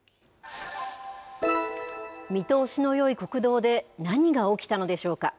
見通しのよい国道で何が起きたのでしょうか。